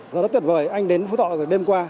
rất tuyệt vời anh đến phú thọ từ đêm qua